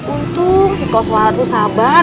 untung si kosualat lu sabar